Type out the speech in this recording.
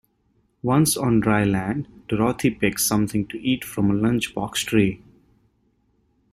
Once on dry land, Dorothy picks something to eat from a lunch-box tree.